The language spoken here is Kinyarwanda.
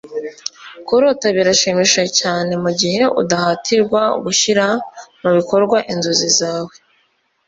kurota birashimishije cyane mugihe udahatirwa gushyira mubikorwa inzozi zawe